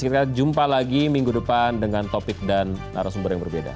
kita jumpa lagi minggu depan dengan topik dan narasumber yang berbeda